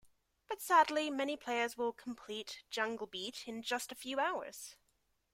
But sadly, many players will complete "Jungle Beat" in just a few hours.